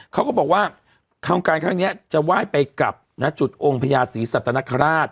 เขาก็บอกว่าครั้งกายครั้งนี้จะไหว้ไปกลับนะจุดองค์พญาศรีสัตว์นักฮาราช